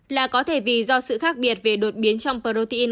là có thể vì do sự khác biệt về đột biến trong protein